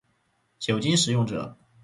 酒精使用者